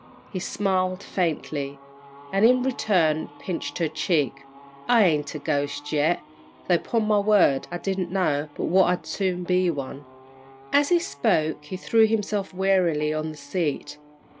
He smiled faintly, and, in return, pinched her cheek. "I ain't a ghost yet, though 'pon my word I didn't know but what I'd soon be one." As he spoke, he threw himself wearily on the seat.